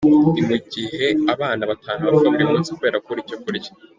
Ni mu gihe abana batanu bapfa buri munsi kubera kubura icyo kurya.